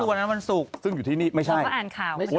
ก็คือวันนั้นวันศูกซึ่งอยู่ที่นี่ไม่ใช่พูดกระอานค่าว